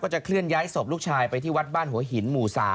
จะเคลื่อนย้ายศพลูกชายไปที่วัดบ้านหัวหินหมู่๓